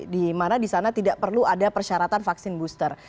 di mana di sana tidak perlu ada persyaratan vaksin booster